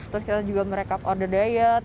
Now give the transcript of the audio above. terus kita juga merekap order diet